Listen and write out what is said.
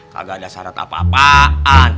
kagak ada syarat apa apaan